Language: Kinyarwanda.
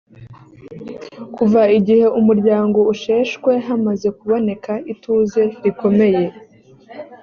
kuva igihe umuryango usheshwe hamaze kuboneka ituze rikomeye.